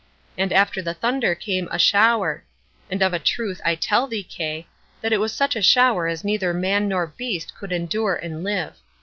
And after the thunder came a, shower; and of a truth I tell thee, Kay, that it was such a shower as neither man nor beast could endure and live.